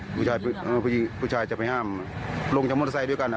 งี่ว่าผู้ชายจะไปห้ามลงทางมอเตอร์ไซค์ด้วยกันอ่ะ